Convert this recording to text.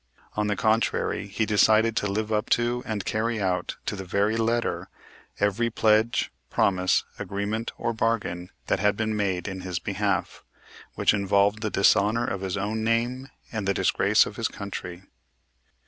On the contrary, he decided to live up to and carry out to the very letter, every pledge, promise, agreement or bargain that had been made in his behalf, which involved the dishonor of his own name and the disgrace of his country.